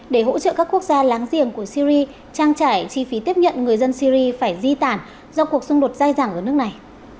để hỗ trợ các quốc gia láng giềng của syri trang trải chi phí tiếp nhận người dân syri phải di tản do cuộc xung đột dài dẳng ở nước này